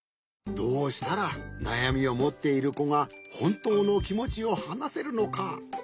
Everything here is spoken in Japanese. どうしたらなやみをもっているこがほんとうのきもちをはなせるのか。